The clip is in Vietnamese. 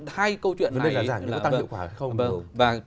hai câu chuyện này là